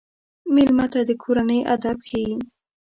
مېلمه ته د کورنۍ ادب ښيي.